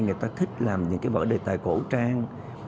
người ta thích làm những cái vở đề tài cổ trang